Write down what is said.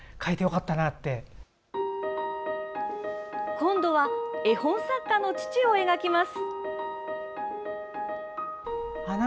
今度は絵本作家の父を描きます。